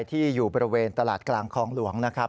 ที่อยู่บริเวณตลาดกลางคลองหลวงนะครับ